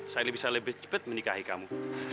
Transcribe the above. saya bisa lebih cepat menikahi kamu